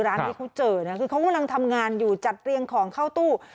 ร้านที่เขาเจอนะคือเขากำลังทำงานอยู่จัดเรียงของเข้าตู้